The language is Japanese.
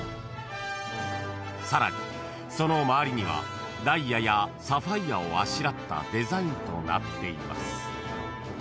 ［さらにその周りにはダイヤやサファイアをあしらったデザインとなっています］